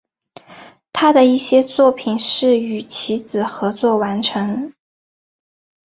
他的一些作品是与其子合作完成。